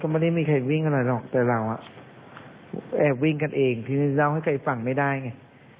ปีให้ก็ต้องเชื้อเงินเป็นแบบแบบนี้